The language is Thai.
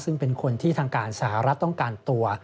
ซึ่งเป็นคนที่ทางการสหรัฐต้องการตัว